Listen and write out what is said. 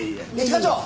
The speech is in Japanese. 一課長！